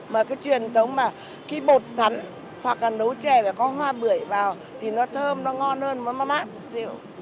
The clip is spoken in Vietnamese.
mà cái truyền thống mà cái bột sắn hoặc là nấu chè và có hoa bưởi vào thì nó thơm nó ngon hơn nó mát rượu